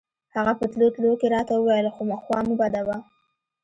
هغه په تلو تلو کښې راته وويل خوا مه بدوه.